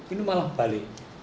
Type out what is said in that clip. ini malah balik